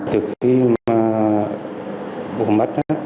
từ khi mà bố mất